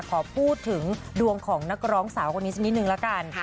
ขอพูดถึงดวงของนักร้องสาวคนนี้สักนิดนึงละกัน